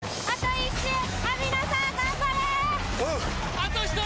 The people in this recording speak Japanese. あと１人！